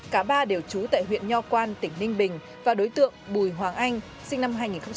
cả ba đều trú tại huyện nho quan tỉnh ninh bình và đối tượng bùi hoàng anh sinh năm hai nghìn sáu